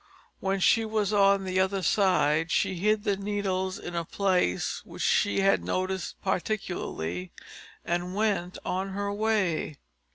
When she was on the other side, she hid the needles, in a place which she had noticed particularly, and went on her way.